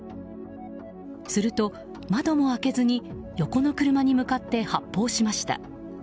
すると窓も開けずに横の車に向かって発砲しました。